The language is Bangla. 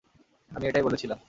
আমি এটাই বলেছিলাম।